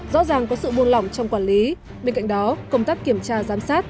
rõ ràng có sự buông lỏng trong quản lý bên cạnh đó công tác kiểm tra giám sát